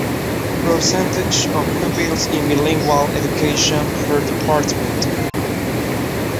Percentage of pupils in bilingual education per department.